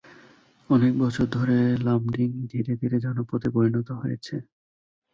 অনেক বছর ধরে লামডিং ধীরে ধীরে জনপদে পরিণত হয়েছে।